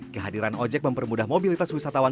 kehadiran ojek mempermudah mobilitas wisatawan